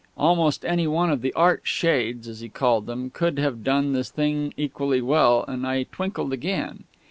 Almost any one of the "Art Shades," as he had called them, could have done the thing equally well, and I twinkled again.